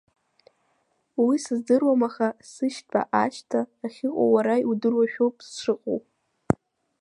Уи сыздырам, аха сышьтәа ашьҭа ахьыҟоу уара иудыруашәоуп сшыҟоу.